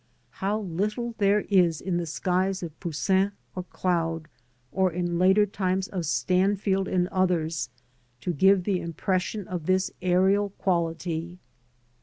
How little there is in the skies of Poussin, or Claude, or in later times, of Stanfield and others, to give the impression of this aerial quality.